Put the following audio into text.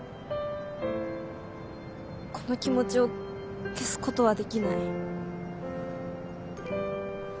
この気持ちを消すことはできない。